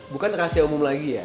bukan rahasia umum lagi ya